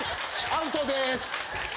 アウトでーす。